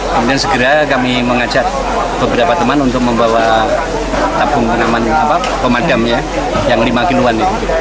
kemudian segera kami mengajak beberapa teman untuk membawa tabung pemadamnya yang lima kiloan